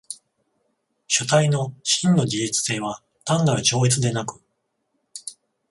主体の真の自律性は単なる超越でなく、